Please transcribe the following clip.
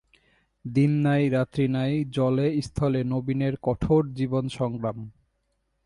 দিন নাই রাত্রি নাই, জলে স্থলে নবীনের কঠোর জীবনসংগ্রাম।